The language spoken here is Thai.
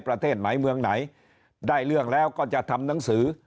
ประเทศไหนเมืองไหนได้เรื่องแล้วก็จะทำหนังสือ